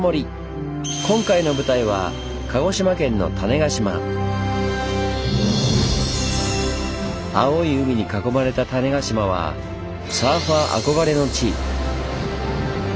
今回の舞台は碧い海に囲まれた種子島はサーファー憧れの地。